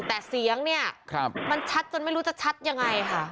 แต่เสียงเนี่ยมันชัดจนไม่รู้จะชัดยังไงค่ะ